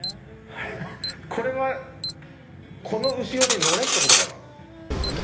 これはこの後ろに乗れって事かな？